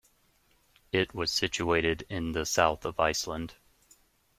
It was situated in the south of Iceland.